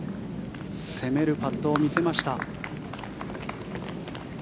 攻めるパットを見せました。